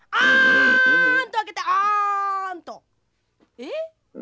えっ？